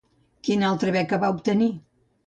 Quina altra beca va obtenir?